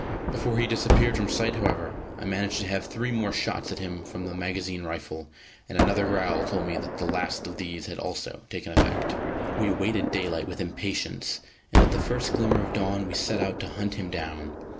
Before he disappeared from sight, however, I managed to have three more shots at him from the magazine rifle, and another growl told me that the last of these had also taken effect. We awaited daylight with impatience, and at the first glimmer of dawn we set out to hunt him down.